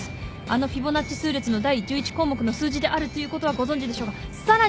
あのフィボナッチ数列の第１１項目の数字であるということはご存じでしょうがさらにですよ！